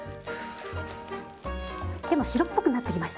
でもう白っぽくなってきましたね。